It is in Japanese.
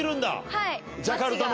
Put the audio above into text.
はい。